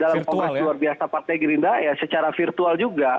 dalam konteks luar biasa partai gerinda secara virtual juga